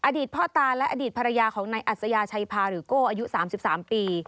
พ่อตาและอดีตภรรยาของนายอัศยาชัยพาหรือโก้อายุ๓๓ปี